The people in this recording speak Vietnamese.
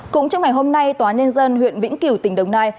cũng trong ngày hôm nay tòa nhân dân huyện vĩnh kiểu tỉnh đồng nai